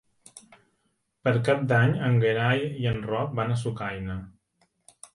Per Cap d'Any en Gerai i en Roc van a Sucaina.